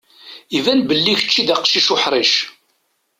Iban belli kečči d aqcic uḥṛic.